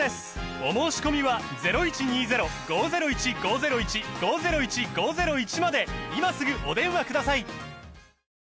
お申込みは今すぐお電話ください